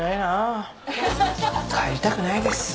帰りたくないです。